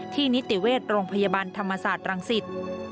นิติเวชโรงพยาบาลธรรมศาสตร์รังสิต